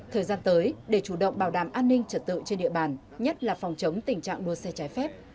thời gian tới để chủ động bảo đảm an ninh trật tự trên địa bàn nhất là phòng chống tình trạng đua xe trái phép